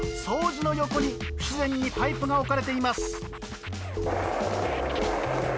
掃除の横に不自然にパイプが置かれています。